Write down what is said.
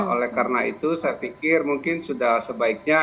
oleh karena itu saya pikir mungkin sudah sebaiknya